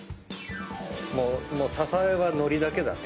もう支えは海苔だけだね。